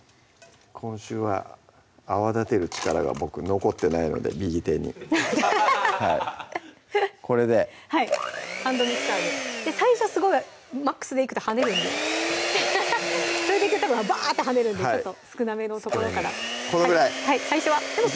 今週は泡立てる力がボク残ってないので右手にこれではいハンドミキサーで最初すごいマックスでいくとはねるんでそれでいくとばってはねるんでちょっと少なめのところからこのぐらいいきます